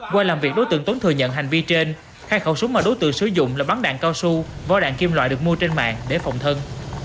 qua làm việc đối tượng tuấn thừa nhận hành vi trên hai khẩu súng mà đối tượng sử dụng là bắn đạn cao su vỏ đạn kim loại được mua trên mạng để phòng thân